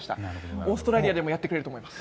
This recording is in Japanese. オーストラリアでもやってくれると思います。